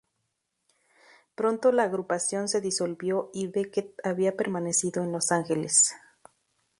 Pronto la agrupación se disolvió y Beckett había permanecido en Los Ángeles.